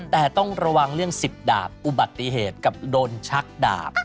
แต่ต้องระวังเรื่อง๑๐ดาบอุบัติเหตุกับโดนชักดาบ